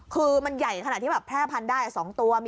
คือมันใหญ่ขนาดที่แบบแพร่พันธุ์ได้๒ตัว